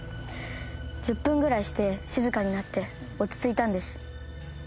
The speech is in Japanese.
１０分ぐらいして静かになって落ち着いたんです。